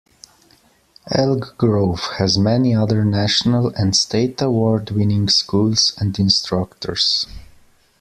Elk Grove has many other national and state award-winning schools and instructors.